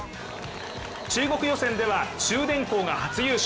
中国予選では、中電工が初優勝。